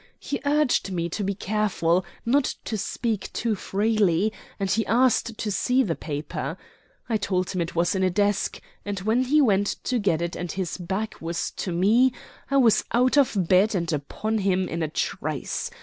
He urged me to be careful, not to speak too freely; and he asked to see the paper. I told him it was in a desk, and when he went to get it and his back was to me I was out of bed and upon him in a trice.